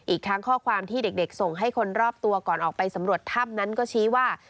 อีกทั้งข้อความที่เด็กส่งให้คนรอบตัวก่อนออกไปสำรวจถ้ำนั้นก็ชี้ว่า